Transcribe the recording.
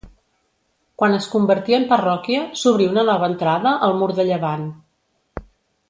Quan es convertí en parròquia s'obrí una nova entrada al mur de llevant.